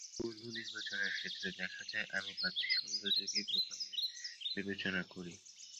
বন্ধু নির্বাচনের ক্ষেত্রে দেখা যায়, আমি বাহ্যিক সৌন্দর্যকেই প্রথমে বিবেচনা করি।